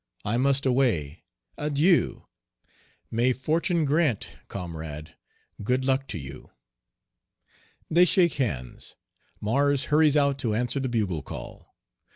I must away! Adieu! May Fortune grant, comrade, good luck to you! They shake hands, MARS hurries out to answer the bugle call.